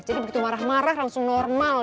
jadi begitu marah marah langsung nornoh